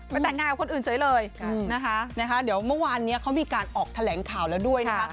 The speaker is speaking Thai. แต่งงานกับคนอื่นเฉยเลยนะคะเดี๋ยวเมื่อวานนี้เขามีการออกแถลงข่าวแล้วด้วยนะคะ